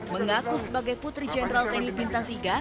mengaku sebagai putri jenderal tni bintang tiga